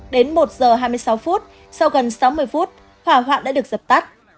đến một giờ hai mươi sáu phút sau gần sáu mươi phút hỏa hoạn đã được dập tắt